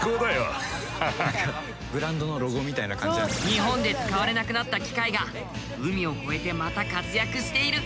日本で使われなくなった機械が海を越えてまた活躍している。